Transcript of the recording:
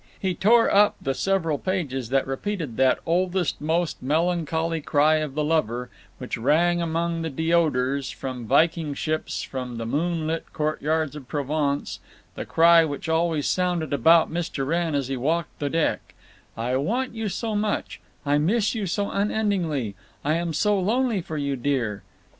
He tore up the several pages that repeated that oldest most melancholy cry of the lover, which rang among the deodars, from viking ships, from the moonlit courtyards of Provence, the cry which always sounded about Mr. Wrenn as he walked the deck: "I want you so much; I miss you so unendingly; I am so lonely for you, dear."